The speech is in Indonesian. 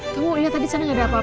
kamu liat aja di sana gak ada apa apa